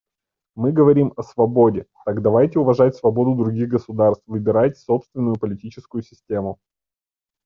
Мы говорим о свободе; так давайте уважать свободу других государств выбирать собственную политическую систему.